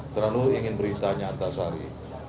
terlalu ingin beri tanya antar sehari